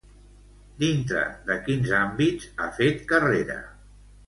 Dintre de quins àmbits ha fet carrera?